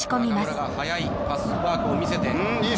中村が速いパスワークを見せている。